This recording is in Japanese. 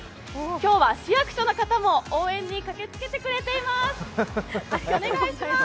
今日は市役所の方も応援に駆けつけてくれています。